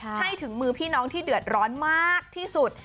ให้ถึงมือพี่น้องที่เดือดร้อนมากที่สุด